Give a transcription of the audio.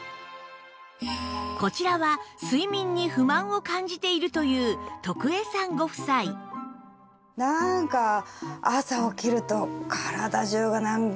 こちらは睡眠に不満を感じているという徳江さんご夫妻なんか。